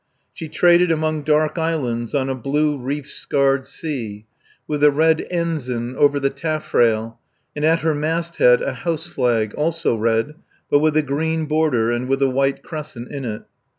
She traded among dark islands on a blue reef scarred sea, with the Red Ensign over the taffrail and at her masthead a house flag, also red, but with a green border and with a white crescent in it.